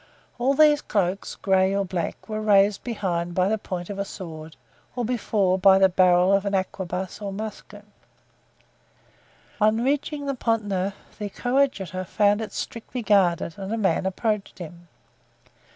All these cloaks, gray or black, were raised behind by the point of a sword, or before by the barrel of an arquebuse or a musket. On reaching the Pont Neuf the coadjutor found it strictly guarded and a man approached him.